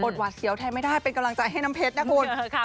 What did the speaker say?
หวาดเสียวแทนไม่ได้เป็นกำลังใจให้น้ำเพชรนะคุณ